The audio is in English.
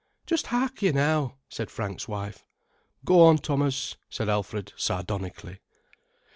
"Just hark you now," said Frank's wife. "Go on, Thomas," said Alfred sardonically.